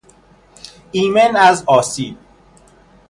ایمن از آسیب